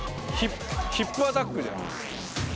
ヒップアタックじゃん。